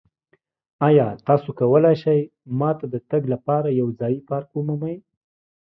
ایا تاسو کولی شئ ما ته د تګ لپاره یو ځایی پارک ومومئ؟